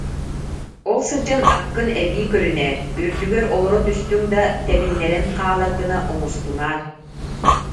Ол сылдьан аккын эбии көрүнээр, үрдүгэр олоро түстүҥ да, тэбиннэрэн хаалар гына оҥостунаар